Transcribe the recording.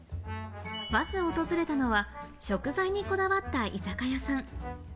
まず訪れたのは食材にこだわった居酒屋さん。